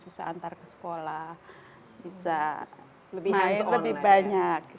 bisa antar ke sekolah bisa lebih banyak